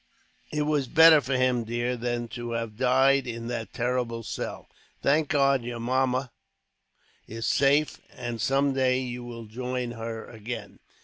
"It was better for him, dear, than to have died in that terrible cell. Thank God your mamma is safe, and some day you will join her again.